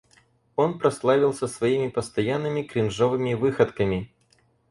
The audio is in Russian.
Он прославился своими постоянными кринжовыми выходками.